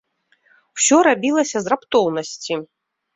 Усё рабілася з раптоўнасці.